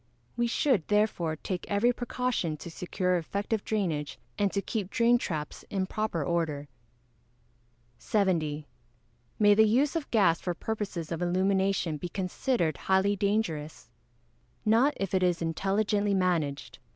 We should, therefore, take every precaution to secure effective drainage, and to keep drain traps in proper order. 70. May the use of gas for purposes of illumination be considered highly dangerous? Not if it is intelligently managed.